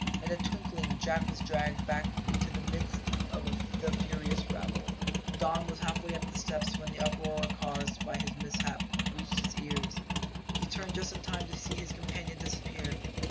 In a twinkling Jack was dragged back into the midst of the furious rabble. Don was half way up the steps when the uproar caused by this mishap reached his ears. He turned just in time to see his companion disappear.